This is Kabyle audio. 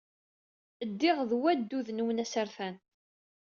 Ddiɣ ed waddud-nwen asertan.